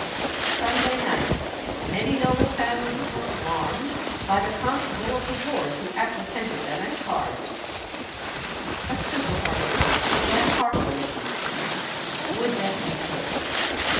"Sunday night. Many noble families were alarmed by the constable of the ward, who apprehended them at cards." A simple hearted age could laugh heartily at these things: would that we could!